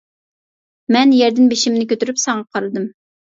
مەن يەردىن بېشىمنى كۆتۈرۈپ ساڭا قارىدىم.